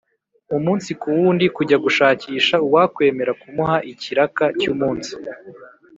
umunsi ku wundi kujya gushakisha uwakwemera kumuha ikiraka cy' umunsi.